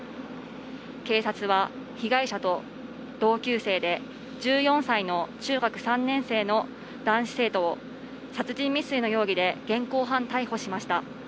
警察は同級生で１４歳の中学３年生の男子生徒を殺人未遂の容疑で現行犯逮捕しました。